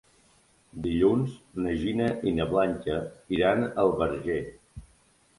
Dilluns na Gina i na Blanca iran al Verger.